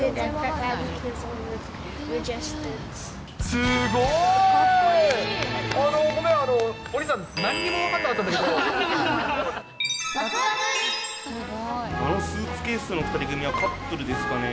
すごい。ごめん、お兄さん、あのスーツケースの２人組はカップルですかね。